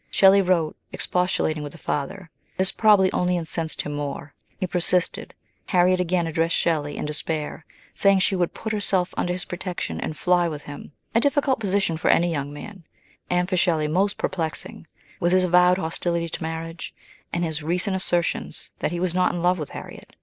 Shelley wrote, expostulating with the father. This probably only incensed him more. He persisted. Harriet again addressed Shelley in despair, saying she would put herself under his protection and fly with him; a difficult position for any young man, and for Shelley most perplexing, with his avowed hostility to marriage, and his recent assertions that he was not in love with Harriet.